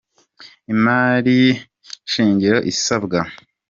Imari shingiro isabwa